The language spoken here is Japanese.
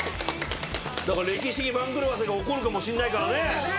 歴史的番狂わせが起こるかもしんないからね。